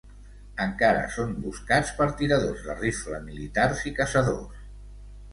Encara són buscats per tiradors de rifle militars i caçadors.